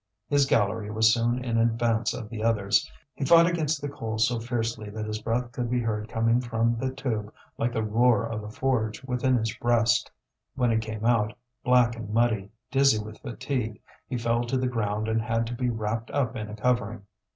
His gallery was soon in advance of the others. He fought against the coal so fiercely that his breath could be heard coming from the tube like the roar of a forge within his breast. When he came out, black and muddy, dizzy with fatigue, he fell to the ground and had to be wrapped up in a covering.